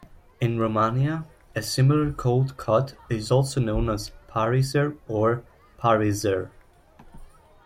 In Romania, a similar cold cut is also known as "pariser" or "parizer".